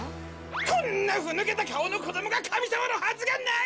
こんなふぬけたかおのこどもがかみさまのはずがない！